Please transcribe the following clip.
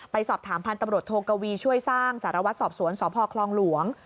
ไปสอบถามพันธุ์ตำรวจโทกวีช่วยสร้างสารวัตรสอบสวนสพคลองหลวง